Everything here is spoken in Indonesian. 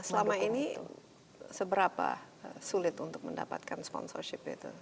selama ini seberapa sulit untuk mendapatkan sponsorship itu